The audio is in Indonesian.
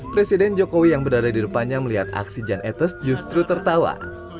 presiden jokowi yang berada di depannya melihat aksi jan etes justru tertawa